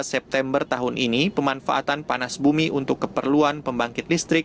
dua belas september tahun ini pemanfaatan panas bumi untuk keperluan pembangkit listrik